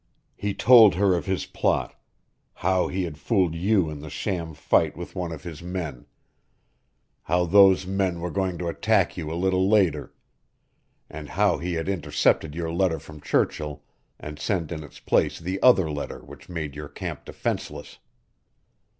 He told her of his plot how he had fooled you in the sham fight with one of his men how those men were going to attack you a little later, and how he had intercepted your letter from Churchill and sent in its place the other letter which made your camp defenseless.